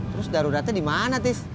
terus daruratnya di mana